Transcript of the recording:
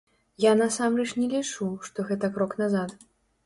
Я насамрэч не лічу, што гэта крок назад.